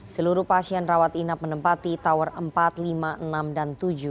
seluruh pasien rawat inap menempati tower empat lima enam dan tujuh